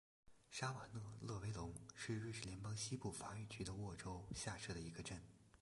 沙瓦讷勒维龙是瑞士联邦西部法语区的沃州下设的一个镇。